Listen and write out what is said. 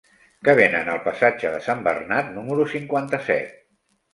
Què venen al passatge de Sant Bernat número cinquanta-set?